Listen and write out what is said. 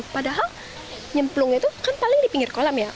padahal nyemplung itu kan paling di pinggir kolam ya